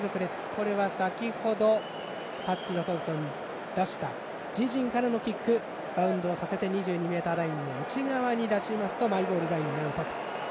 これは先程、タッチの外に出した自陣からのキックをバウンドさせ２２ｍラインの内側に出しますとマイボールラインアウト。